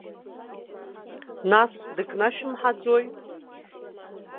Нас, дыкнашәымҳаӡои?